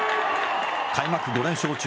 開幕５連勝中